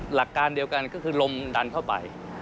หลักการเดียวกันก็คือลมดันเข้าไป